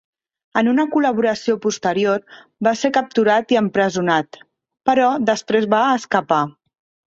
En una col·laboració posterior, va ser capturat i empresonat, però després va escapar.